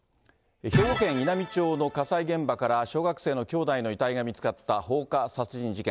兵庫県稲美町の火災現場から小学生の兄弟の遺体が見つかった放火殺人事件。